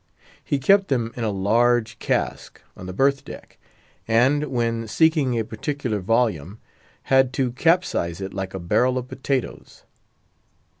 He kept them in a large cask on the berth deck, and, when seeking a particular volume, had to capsize it like a barrel of potatoes.